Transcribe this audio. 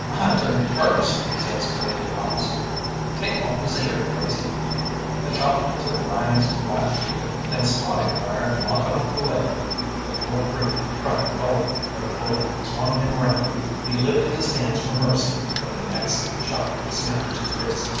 "My turn first!" says Crazy Hoss. "Take his off ear, Crazy!" The shot took Ryan's right ear; then Spotty fired, lopping off the left. The poor brute tried to bolt, but a bullet swung him around. He lifted his hands for mercy, but the next shot smashed his wrist.